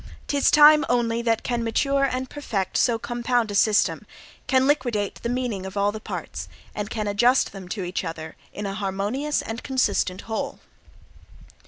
'Tis time only that can mature and perfect so compound a system, can liquidate the meaning of all the parts, and can adjust them to each other in a harmonious and consistent WHOLE.